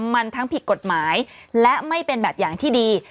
มันทั้งผิดกฎหมายและไม่เป็นแบบอย่างที่ดี